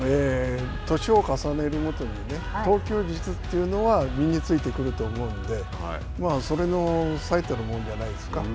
年を重ねるごとに、投球術というのは身についてくると思うので、それの最たるものじゃないですか。